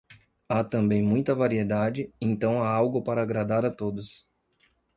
Há também muita variedade, então há algo para agradar a todos.